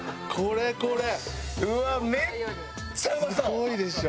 すごいでしょ。